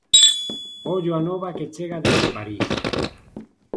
Ollo a nova que chega desde París.